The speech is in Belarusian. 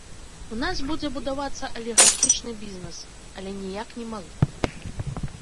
У нас будзе будавацца алігархічны бізнес, але ніяк не малы.